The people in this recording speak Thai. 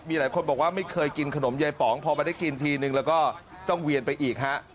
มีหลายคนบอกว่าไม่เคยกินขนมยายป๋องพอมาได้กินทีนึงแล้วก็ต้องเวียนไปอีกฮะ